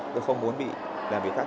tôi không muốn bị làm việc khác